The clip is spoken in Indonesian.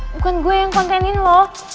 bukan gue yang kontenin loh